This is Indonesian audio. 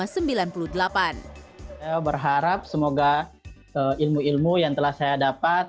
saya berharap semoga ilmu ilmu yang telah saya dapat